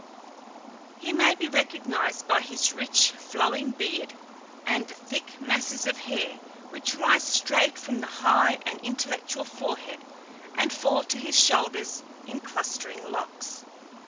He may be recognized by his rich flowing beard, and the thick masses of hair, which rise straight from the high and intellectual forehead and fall to his shoulders in clustering locks.